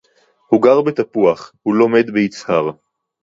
הוא גר בתפוח, הוא לומד ביצהר